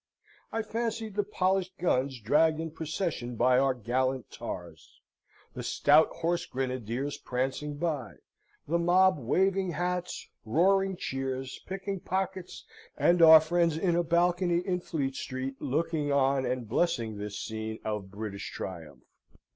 I fancied the polished guns dragged in procession by our gallant tars; the stout horse grenadiers prancing by; the mob waving hats, roaring cheers, picking pockets, and our friends in a balcony in Fleet Street looking on and blessing this scene of British triumph.